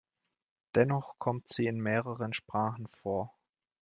Dennoch kommt sie in mehreren Sprachen vor.